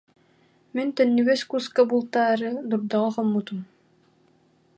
Мин төннүгэс куска бултаары дурдаҕа хоммутум